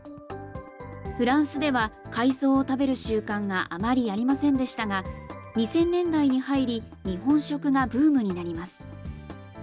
フランスでは、海藻を食べる習慣があまりありませんでしたが、２０００年代に入り、日本食がブームになります。